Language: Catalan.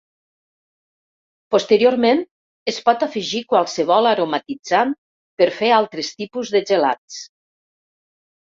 Posteriorment es pot afegir qualsevol aromatitzant per fer altres tipus de gelats.